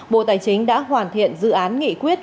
bộ tài chính đã hoàn thiện dự án nghị quyết